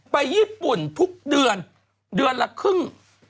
ไปญี่ปุ่นทุกเดือนเดือนละครึ่ง